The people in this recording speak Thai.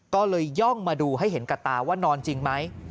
ก็เลยย่องมาดูให้เห็นกับตาว่านอนจริงไหม